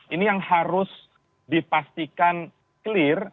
ini yang harus dipastikan clear